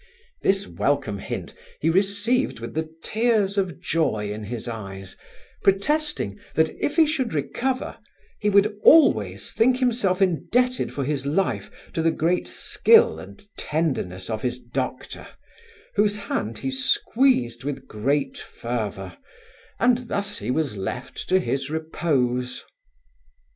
This welcome hint he received with the tears of joy in his eyes, protesting, that if he should recover, he would always think himself indebted for his life to the great skill and tenderness of his doctor, whose hand he squeezed with great fervour; and thus he was left to his repose.